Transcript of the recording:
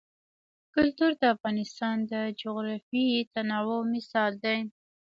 کلتور د افغانستان د جغرافیوي تنوع مثال دی.